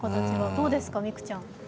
どうですか、美空ちゃん。